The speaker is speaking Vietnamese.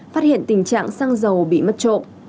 phát hiện tình trạng xăng dầu bị mất trộm